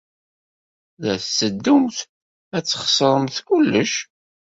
La tetteddumt ad txeṣremt kullec.